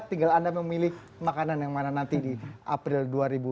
tinggal anda memilih makanan yang mana nanti di april dua ribu dua puluh